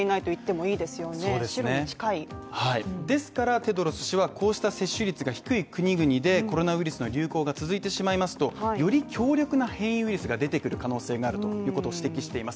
テドロス氏はこうした接種率が低い国々でコロナウイルスの流行が続いてしまいますとより強力な変異ウイルスが出てくる可能性があるということを指摘しています